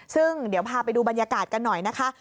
ซึ่งเดี๋ยวพาไปดูบรรยากาศกันหน่อยนะคะ